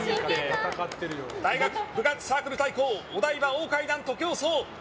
大学部活・サークル対抗お台場大階段徒競走。